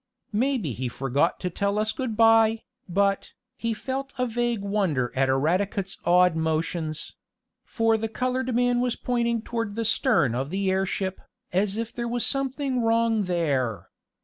"Maybe he forgot to tell us good by," but, he felt a vague wonder at Eradicate's odd motions; for the colored man was pointing toward the stern of the airship, as if there was something wrong there.